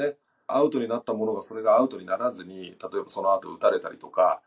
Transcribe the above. アウトになったものが、それがアウトにならずに、例えばそのあと、打たれたりとか。